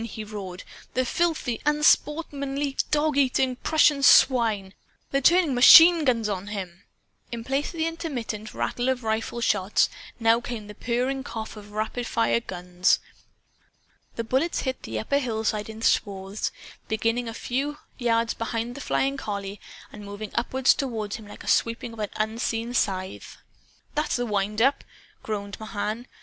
he roared. "The filthy, unsportsmanly, dog eating Prussian swine! They're turning MACHINE GUNS on him!" In place of the intermittent rattle of rifleshots now came the purring cough of rapidfire guns. The bullets hit the upper hillside in swathes, beginning a few yards behind the flying collie and moving upward toward him like a sweeping of an unseen scythe. "That's the wind up!" groaned Mahan.